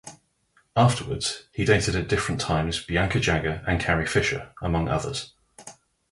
Afterwards, he dated at different times Bianca Jagger and Carrie Fisher, among others.